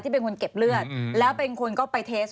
เป็นคนเก็บเลือดแล้วเป็นคนก็ไปเทส